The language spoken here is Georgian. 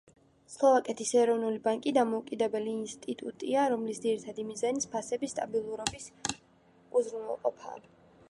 სლოვაკეთის ეროვნული ბანკი დამოუკიდებელი ინსტიტუტია, რომლის ძირითადი მიზანიც ფასების სტაბილურობის უზრუნველყოფაა.